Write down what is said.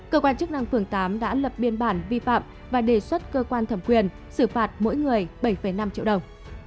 cơ quan chức năng phường tám đã lập biên bản vi phạm và đề xuất cơ quan thẩm quyền xử phạt mỗi người bảy năm triệu đồng